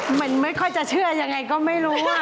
เหมือนไม่ค่อยจะเชื่อยังไงก็ไม่รู้